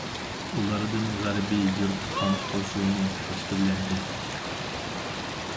ئۇلاردىن‹‹ غەربىي يۇرت خان قوشۇنى›› تەشكىللەنگەن.